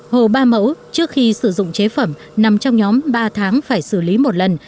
hồ ba mẫu trước khi sử dụng chế phẩm nằm trong nhóm ba tháng phải xử lý một lần